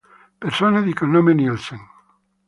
Persone di cognome Nielsen